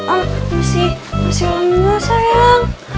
oh masih masih lama gak sayang